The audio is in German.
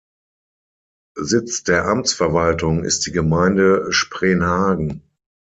Sitz der Amtsverwaltung ist die Gemeinde Spreenhagen.